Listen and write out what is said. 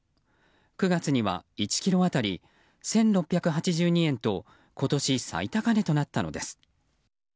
９月には１ｋｇ当たり１６１２円と今年、最高値となったのです。